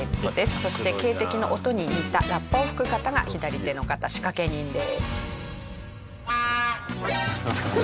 そして警笛の音に似たラッパを吹く方が左手の方仕掛け人です。